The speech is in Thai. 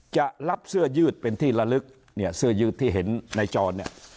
จะรับเสื้อยืดเป็นที่ละลึกเนี่ยเสื้อยืดที่เห็นในจอเนี่ย